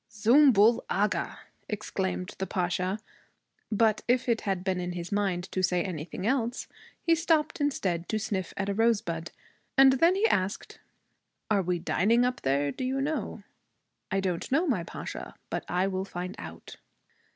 'Zümbül Agha!' exclaimed the Pasha. But if it had been in his mind to say anything else he stopped instead to sniff at a rosebud. And then he asked, 'Are we dining up there, do you know?' 'I don't know, my Pasha, but I will find out.'